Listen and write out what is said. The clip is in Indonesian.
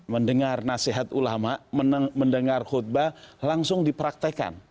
mendengar nasihat ulama mendengar khutbah langsung dipraktekan